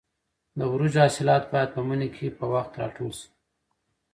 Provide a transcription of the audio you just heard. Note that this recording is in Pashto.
د وریژو حاصلات باید په مني کې په وخت راټول شي.